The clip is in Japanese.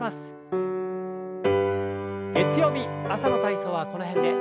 月曜日朝の体操はこの辺で。